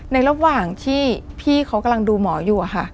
ในระหว่างที่พี่เขากำลังดูหมออยู่อะค่ะ